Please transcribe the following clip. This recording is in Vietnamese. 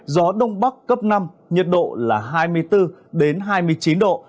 gió đông bắc cấp năm nhiệt độ là hai mươi bốn hai mươi chín độ